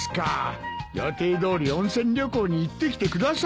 予定どおり温泉旅行に行ってきてください。